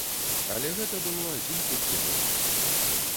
Але гэта было адзін толькі момант.